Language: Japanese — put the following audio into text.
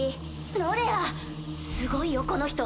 ノレアすごいよこの人。